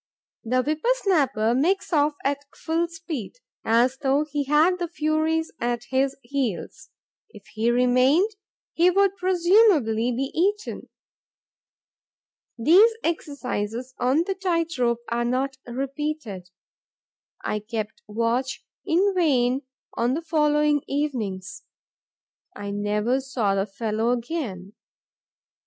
The whipper snapper makes off at full speed, as though he had the Furies at his heels. If he remained, he would presumably be eaten. These exercises on the tight rope are not repeated. I kept watch in vain on the following evenings: I never saw the fellow again.